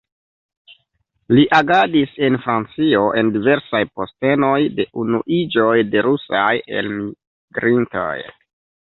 Li agadis en Francio en diversaj postenoj de Unuiĝoj de rusaj elmigrintoj.